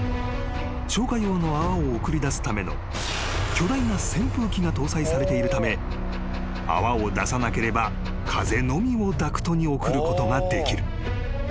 ［消火用の泡を送り出すための巨大な扇風機が搭載されているため泡を出さなければ風のみをダクトに送ることができる］